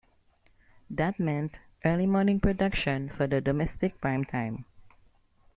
That meant early morning production for the domestic prime time.